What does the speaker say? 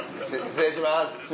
失礼します。